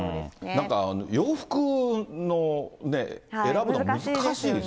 なんか洋服の選ぶの難しいですね。